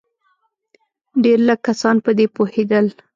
ډېر لږ کسان په دې پوهېدل.